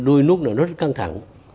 đôi lúc rất căng thẳng